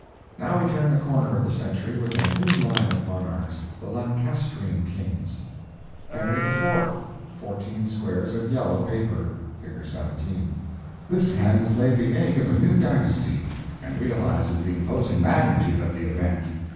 Now we turn the corner of the century with a new line of monarchs—the Lancastrian kings. Henry IV.; fourteen squares of _yellow _paper. (Fig. 17.) This hen has laid the egg of a new dynasty and realizes the imposing magnitude of the event.